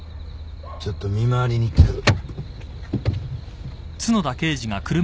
ちょっと見回りに行ってくる。